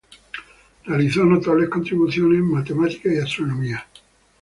Realizó notables contribuciones en matemáticas y astronomía.